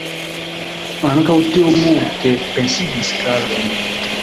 Ankaŭ tio multe pensigis Karlon.